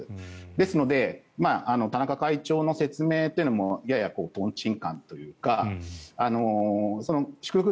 ですので田中会長の説明というのもやや、とんちんかんというか祝福